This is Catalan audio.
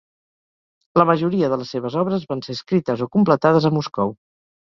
La majoria de les seves obres van ser escrites o completades a Moscou.